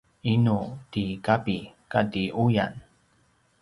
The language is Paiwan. inu ti kapi kati uyan?